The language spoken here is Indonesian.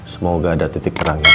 semoga ada titik terakhir